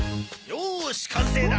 よーし完成だ！